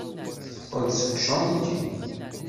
Teqqel-d seg ucanṭi.